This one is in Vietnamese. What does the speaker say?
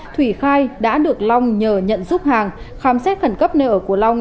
thủy khai đã được long nhờ nhận giúp hàng khám xét khẩn cấp nơi ở của long